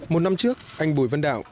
một năm trước anh bùi vân đạo